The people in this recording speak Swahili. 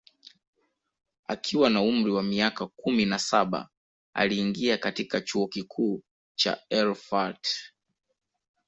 Akiwa na umri wa miaka kumi na saba aliingia katika Chuo Kikuu cha Erfurt